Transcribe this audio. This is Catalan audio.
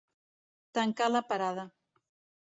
Tancar la parada.